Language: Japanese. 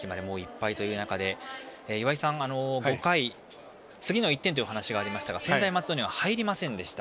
外野席までいっぱいという中５回、次の１点というお話がありましたが専大松戸に入りませんでした。